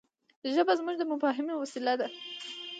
ژبه زموږ د مفاهيمي وسیله ده.